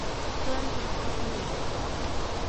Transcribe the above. กล้านักมักบิ่น